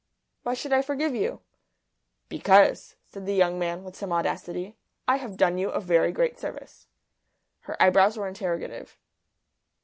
"Why should I forgive you?" "Because," said the young man, with some audacity, "I have done you a very great service." Her eyebrows were interrogative.